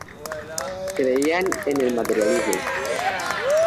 Creían en el materialismo.